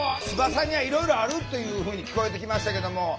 翼にはいろいろあるっていうふうに聞こえてきましたけども。